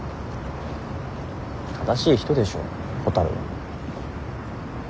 正しい人でしょほたるは。